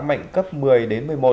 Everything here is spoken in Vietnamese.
mạnh cấp một mươi đến một mươi một